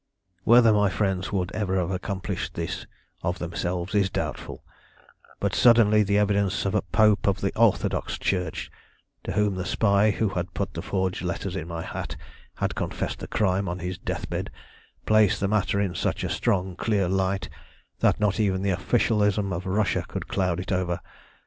"Whether my friends would ever have accomplished this of themselves is doubtful, but suddenly the evidence of a pope of the Orthodox Church, to whom the spy who had put the forged letters in my hat had confessed the crime on his deathbed, placed the matter in such a strong clear light that not even the officialism of Russia could cloud it over.